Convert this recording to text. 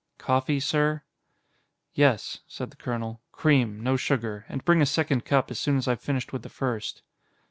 "Coffee, sir?" "Yes," said the colonel. "Cream, no sugar. And bring a second cup as soon as I've finished with the first."